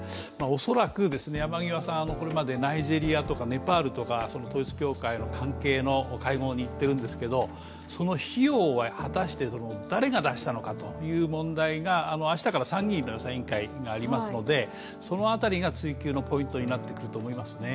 恐らく、山際さんこれまでナイジェリアとかネパールとか、統一教会の関係の会合に行っているんですけど、その費用は果たして誰が出したのかという問題が明日から参議院の予算委員会がありますのでその辺りが追及のポイントになってくると思いますね。